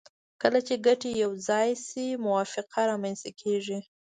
کله چې ګټې یو ځای شي موافقه رامنځته کیږي